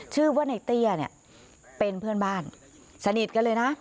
ชื่อว่าในเตี้ยเนี่ยเป็นเพื่อนบ้านสนิทกันเลยนะ